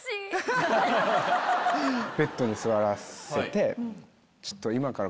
ベッドに座らせて。